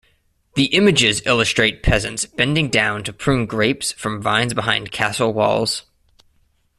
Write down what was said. The images illustrate peasants bending down to prune grapes from vines behind castle walls.